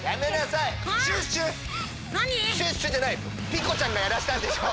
ピコちゃんがやらせたんでしょ！